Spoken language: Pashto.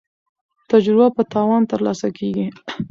تجربه په تاوان ترلاسه کیږي.